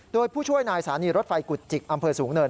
โดยผู้ช่วยนายสถานีรถไฟกุจจิกอำเภอสูงเนิน